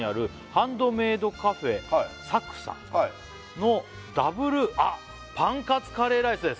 「ハンドメイドカフェＳＡＫＵ桜咲さんの」「Ｗ」あっ「パンカツカレーライスです」